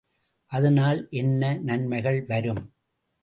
அதனால் என்ன நன்மைகள் வரும்?